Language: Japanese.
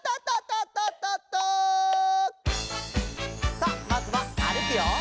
さあまずはあるくよ。